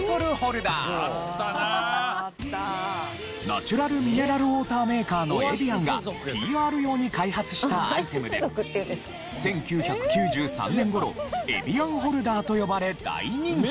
ナチュラルミネラルウォーターメーカーのエビアンがＰＲ用に開発したアイテムで１９９３年頃エビアンホルダーと呼ばれ大人気に。